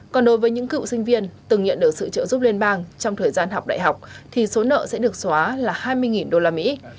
còn đối với những cựu sinh viên từng nhận được sự trợ giúp liên bang trong thời gian học đại học thì số nợ sẽ được xóa là hai mươi đô la mỹ